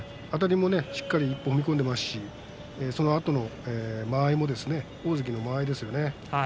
あたりもしっかり踏み込んでいますしそのあとの間合いも大関の間合いですよね。